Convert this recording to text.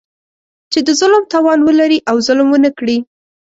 چې د ظلم توان ولري او ظلم ونه کړي.